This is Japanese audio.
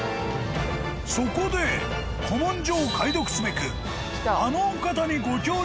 ［そこで古文書を解読すべく］